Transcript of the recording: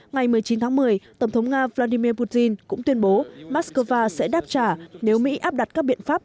ngày một mươi chín tháng một mươi tổng thống nga vladimir putin cũng tuyên bố moscow sẽ đáp trả nếu mỹ áp đặt các biện pháp